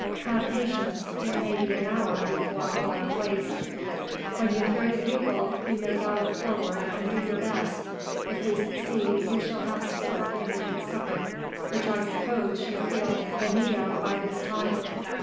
Have patience. It may be an hour before all are placed. When you hear the bugle, you may gallop forward and do your best. If we succeed, you shall have sport and a good supper, which I suppose you feel the need of by this time."